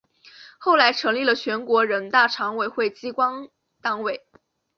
后来成立了全国人大常委会机关党委。